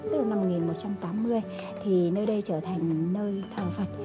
tức là năm một nghìn một trăm tám mươi thì nơi đây trở thành nơi thờ phật